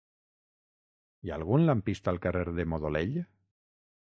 Hi ha algun lampista al carrer de Modolell?